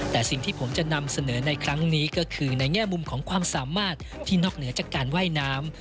แต่สิ่งที่ผมจะนำเสนอในครั้งนี้ก็คือในแง่มุมของความสามารถที่นอกเหนือจากการว่ายน้ำ